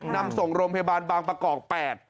นำส่งโรงพยาบาลบางประกอบ๘